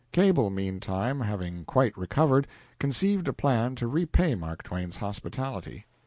Cable, meantime, having quite recovered, conceived a plan to repay Mark Twain's hospitality.